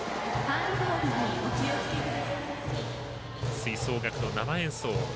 吹奏楽の生演奏。